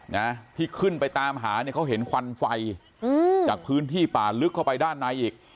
นะที่ขึ้นไปตามหาเนี่ยเขาเห็นควันไฟอืมจากพื้นที่ป่าลึกเข้าไปด้านในอีก